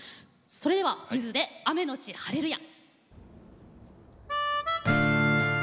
それではゆずで「雨のち晴レルヤ」。